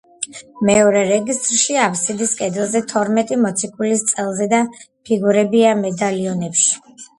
მეორე რეგისტრში, აფსიდის კედელზე თორმეტი მოციქულის წელზედა ფიგურებია მედალიონებში.